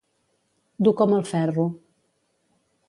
Dur com el ferro.